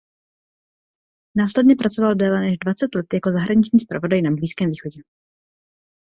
Následně pracoval déle než dvacet let jako zahraniční zpravodaj na Blízkém východě.